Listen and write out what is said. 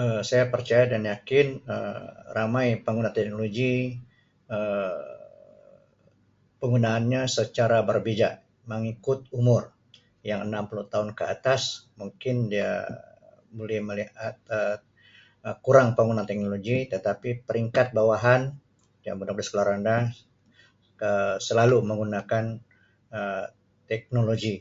Um Saya percaya dan yakin Um ramai pengguna teknologi Um penggunaan nya secara berbeja mengikut umur yang enam puluh tahun ke atas mungkin dia bulih melihat Um kurang pengguna teknologi tetapi peringkat bawahan yang budak baskulah randah Um selalu menggunakan Um teknologi.